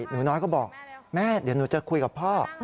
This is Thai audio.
หนูน้อยก็บอกแม่เดี๋ยวหนูจะคุยกับพ่อ